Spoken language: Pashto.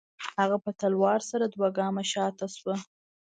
هغه په تلوار سره دوه گامه شاته سوه.